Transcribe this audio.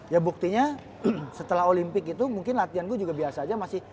ya buktinya setelah olimpik itu mungkin latihan gue juga biasa aja masih